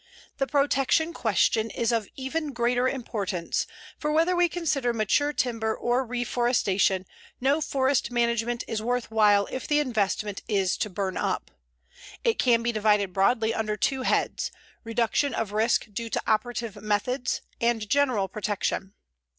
The protection question is of even greater importance, for whether we consider mature timber or reforestation, no forest management is worth while if the investment is to burn up. It can be divided broadly under two heads, reduction of risk due to operative methods and general protection.